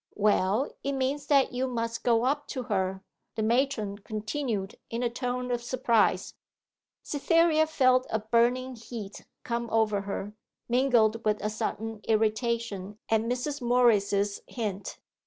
'Well, it means that you must go up to her,' the matron continued, in a tone of surprise. Cytherea felt a burning heat come over her, mingled with a sudden irritation at Mrs. Morris's hint.